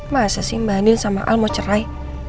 masa sih mbak andin sama aldebaran mau cerai